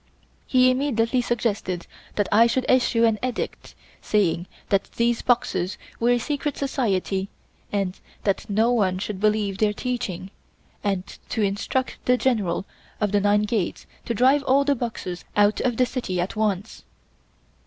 He immediately suggested that I should issue an Edict, saying that these Boxers were a secret society and that no one should believe their teaching, and to instruct the Generals of the nine gates to drive all the Boxers out of the city at once.